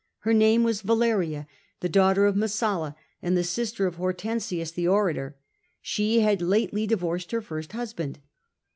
Her name was Valeria, the daughter of Messala, and the sister of Hortensius the orator : she had lately divorced her first husband.